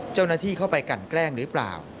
เจ้าหน้าที่เข้าไปกันแกล้งหรือเปล่า